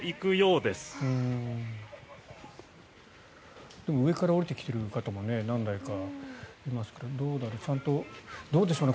でも上から下りてきている方も何台かいますからどうでしょうね